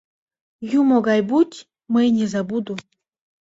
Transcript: Юмо гай будь, мый не забуду.